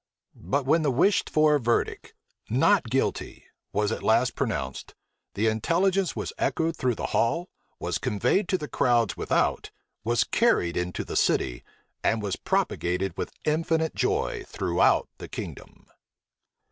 But when the wished for verdict, not guilty, was at last pronounced, the intelligence was echoed through the hall, was conveyed to the crowds without, was carried into the city, and was propagated with infinite joy throughout the kingdom.